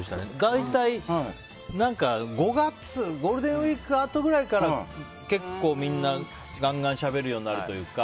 大体、５月ゴールデンウィークあとぐらいから結構、みんなガンガンしゃべるようになるというか。